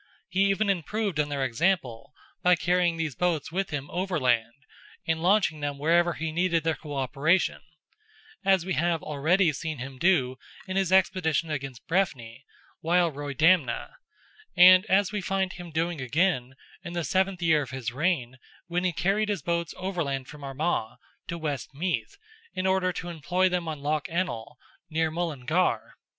He even improved on their example, by carrying these boats with him overland, and launching them wherever he needed their co operation; as we have already seen him do in his expedition against Breffni, while Roydamna, and as we find him doing again, in the seventh year of his reign, when he carried his boats overland from Armagh to West Meath in order to employ them on Loch Ennell, near Mullingar.